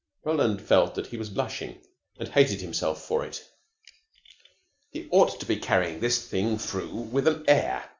Roland felt that he was blushing, and hated himself for it. He ought to be carrying this thing through with an air. Mr.